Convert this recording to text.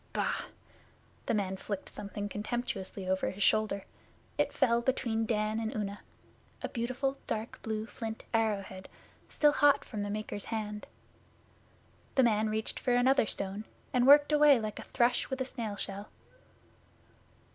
Bah!' The man flicked something contemptuously over his shoulder. It fell between Dan and Una a beautiful dark blue flint arrow head still hot from the maker's hand. The man reached for another stone, and worked away like a thrush with a snail shell.